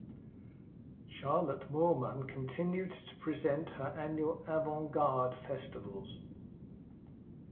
Charlotte Moorman continued to present her annual Avant Garde Festivals.